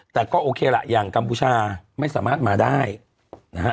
แต่ก็โอเคล่ะอย่างกัมพูชาไม่สามารถมาได้นะฮะ